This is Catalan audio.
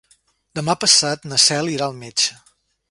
Demà passat na Cel irà al metge.